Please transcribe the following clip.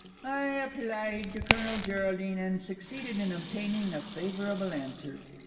I applied to Colonel Geraldine, and succeeded in obtaining a favourable answer.